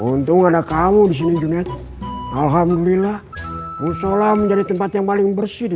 untung ada kamu disini junet alhamdulillah usola menjadi tempat yang paling bersih di